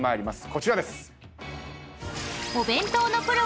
こちらです。